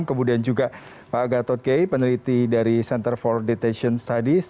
kemudian juga pak gatot gay peneliti dari center for detation studies